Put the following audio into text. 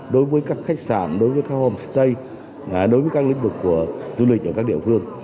đối với các khách sạn đối với các homestay đối với các lĩnh vực của du lịch ở các địa phương